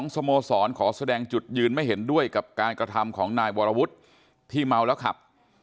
สโมสรขอแสดงจุดยืนไม่เห็นด้วยกับการกระทำของนายวรวุฒิที่เมาแล้วขับ